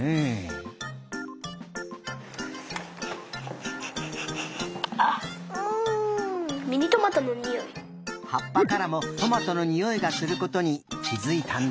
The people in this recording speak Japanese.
はっぱからもトマトのにおいがすることにきづいたんだ！